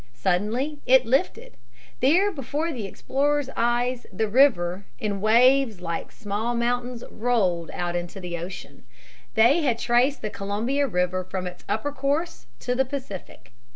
Suddenly it lifted. There before the explorers' eyes the river "in waves like small mountains rolled out in the ocean." They had traced the Columbia River from its upper course to the Pacific.